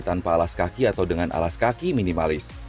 tanpa alas kaki atau dengan alas kaki minimalis